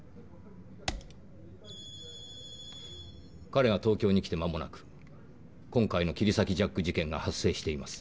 彼が東京に来て間もなく今回の切り裂きジャック事件が発生しています。